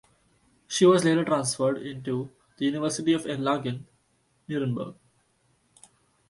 She was later transferred into the University of Erlangen–Nuremberg.